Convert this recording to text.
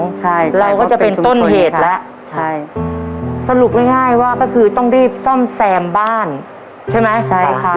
เราก็จะเป็นต้นเหตุแล้วสรุปง่ายว่าก็คือต้องรีบซ่อมแซมบ้านใช่ไหม